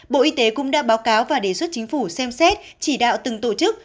bộ y tế cũng đã báo cáo và đề xuất chính phủ xem xét chỉ đạo từng tổ chức